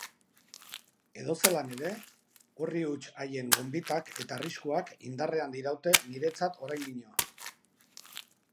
Edozelan ere, orri huts haien gonbitak eta arriskuak indarrean diraute niretzat oraindino.